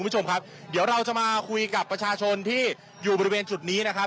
คุณผู้ชมครับเดี๋ยวเราจะมาคุยกับประชาชนที่อยู่บริเวณจุดนี้นะครับ